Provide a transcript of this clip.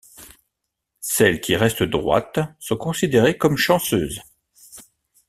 Celles qui restent droites sont considérées comme chanceuses.